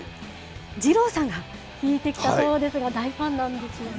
二郎さんが聞いてきたそうですが、大ファンなんですよね。